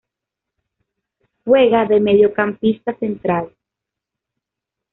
Juega de mediocampista central.